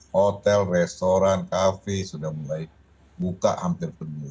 hotel restoran kafe sudah mulai buka hampir penuh